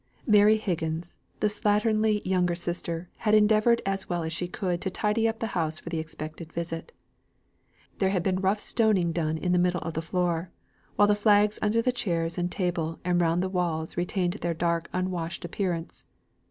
Mary Higgins, the slatternly younger sister, had endeavoured as well as she could to tidy up the house for the expected visit. There had been rough stoning done in the middle of the floor, while the flags under the chairs and table and round the walls retained their dark unwashed appearance.